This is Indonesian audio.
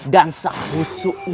dan sehusu ini